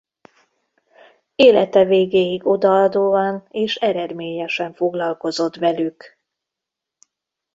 Élete végéig odaadóan és eredményesen foglalkozott velük.